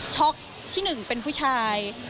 ช็อคที่หนึ่งเป็นผู้ชาย